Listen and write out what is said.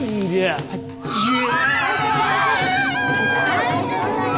大丈夫だよ。